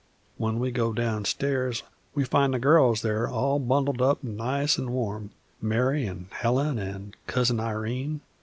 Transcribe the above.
When we go down stairs we find the girls there, all bundled up nice an' warm, Mary an' Helen an' Cousin Irene.